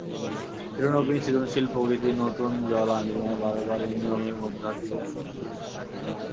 চিরনবীন সৃজনশীল প্রকৃতি নূতন জল আনিয়া বার বার এই নিয়মের মধ্য দিয়া চলিতে থাকিবে।